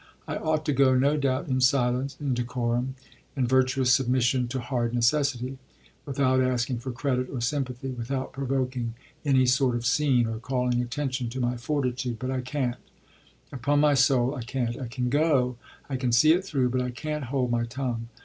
"I ought to go, no doubt, in silence, in decorum, in virtuous submission to hard necessity without asking for credit or sympathy, without provoking any sort of scene or calling attention to my fortitude. But I can't upon my soul I can't. I can go, I can see it through, but I can't hold my tongue.